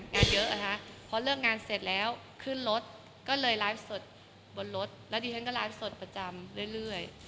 เยอะนะคะพอเลิกงานเสร็จแล้วขึ้นรถก็เลยไลฟ์สดบนรถแล้วดิฉันก็ไลฟ์สดประจำเรื่อย